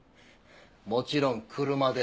もちろん車で。